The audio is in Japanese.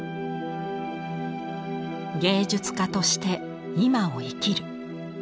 芸術家として今を生きる。